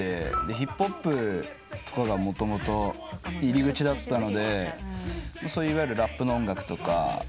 ヒップホップとかがもともと入り口だったのでいわゆるラップの音楽とか。